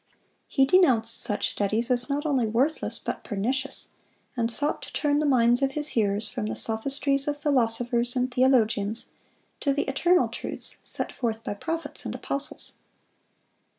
He denounced such studies as not only worthless but pernicious, and sought to turn the minds of his hearers from the sophistries of philosophers and theologians to the eternal truths set forth by prophets and apostles.